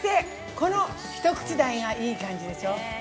この一口大がいい感じでしょう。